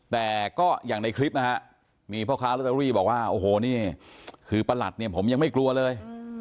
แต่ก็อย่างในคลิปนะฮะมีพ่อค้าลอตเตอรี่บอกว่าโอ้โหนี่คือประหลัดเนี่ยผมยังไม่กลัวเลย